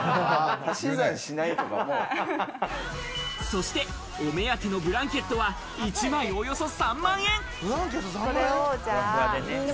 そして、お目当てのブランケットは１枚およそ３万円。